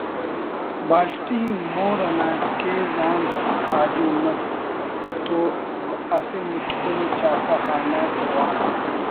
بالٹی مور نا کیز آن آجو مس تو اسہ متکن ءُ چھاپہ خانہ اس وام